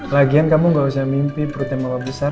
lagian kamu nggak usah mimpi perutnya mama besar